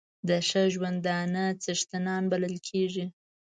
د ښه ژوندانه څښتنان بلل کېږي.